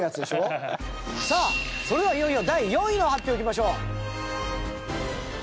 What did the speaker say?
さあ、それでは、いよいよ第４位の発表いきましょう。